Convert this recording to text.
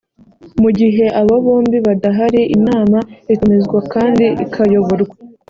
mu gihe abo bombi badahari inama itumizwa kandi ikayoborwa